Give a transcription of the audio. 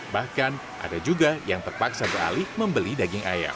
bahkan ada juga yang terpaksa beralih membeli daging ayam